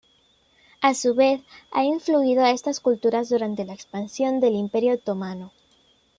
A su vez, ha influido a estas culturas durante la expansión del Imperio otomano.